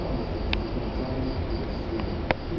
一石二鳥の一手ですし振り